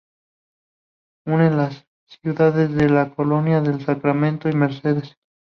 Une las ciudades de Colonia del Sacramento y Mercedes.